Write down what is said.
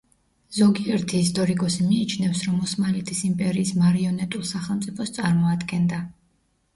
ზოგიერთი ისტორიკოსი მიიჩნევს, რომ ოსმალეთის იმპერიის მარიონეტულ სახელმწიფოს წარმოადგენდა.